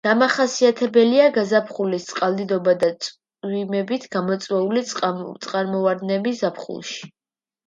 დამახასიათებელია გაზაფხულის წყალდიდობა და წვიმებით გამოწვეული წყალმოვარდნები ზაფხულში.